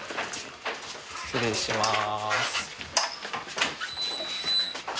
失礼しまーす。